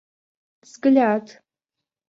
взгляд